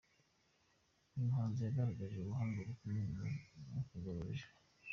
Uyu muhanzi yagaragaje ubuhanga bukomeye mu kugorora ijwi.